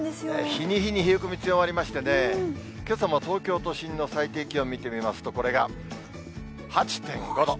日に日に冷え込み強まりましてね、けさも東京都心の最低気温見てみますと、これが８．５度。